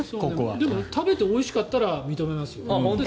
でも食べておいしかったら認めますよ。